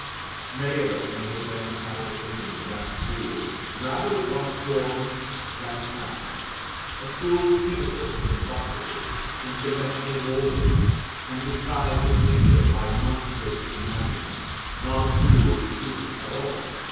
Many of us may have been in the habit of thinking of that school rather as of one of forms than of facts a school of pinnacles, and buttresses, and conventional mouldings, and disguise of nature by monstrous imaginings not a school of truth at all.